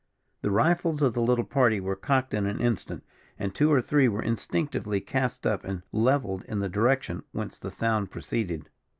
The rifles of the little party were cocked in an instant, and two or three were instinctively cast up, and levelled in the direction whence the sound proceeded.